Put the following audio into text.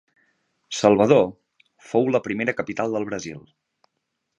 Salvador fou la primera capital del Brasil.